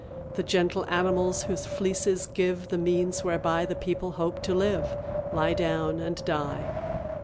The gentle animals whose fleeces give The means whereby the people hope to live, Lie down and die.